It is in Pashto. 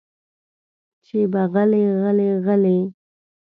چې به غلې غلې غلې